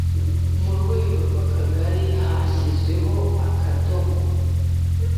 Ku rwego rw akagari hashyizweho akadomo